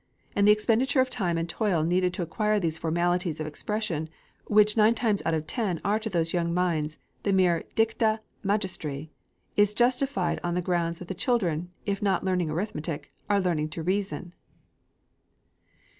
And the expenditure of time and toil needed to acquire these formulas of expression, which nine times out of ten are to those young minds the mere dicta magistri, is justified on the ground that the children, if not learning arithmetic, are learning to reason.